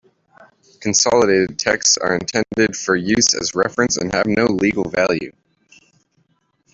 Consolidated texts are intended for use as reference and have no legal value.